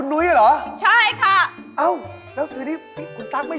ลงมาทุกคืนเลย